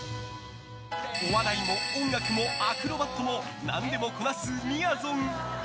お笑いも音楽もアクロバットも何でもこなす、みやぞん。